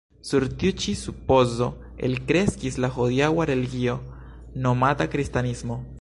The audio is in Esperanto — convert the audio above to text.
Sur tiu ĉi supozo elkreskis la hodiaŭa religio, nomata kristanismo.